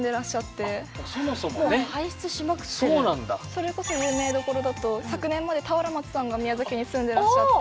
それこそ有名どころだと昨年まで俵万智さんが宮崎に住んでらっしゃって。